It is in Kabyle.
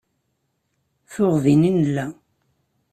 Tuɣ din i nella.